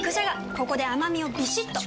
ここで甘みをビシッと！